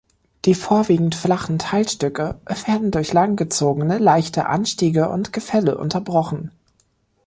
Die vorwiegend flachen Teilstücke werden durch langgezogene leichte Anstiege und Gefälle unterbrochen.